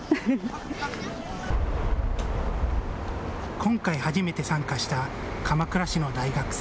今回、初めて参加した鎌倉市の大学生。